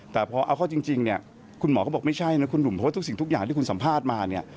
แต่พอเอาเข้าจริงเนี่ยคุณหมอก็บอกไม่ใช่นะคุณหนุ่มโพสต์ทุกสิ่งทุกอย่างที่คุณสัมภาษณ์มาเนี่ย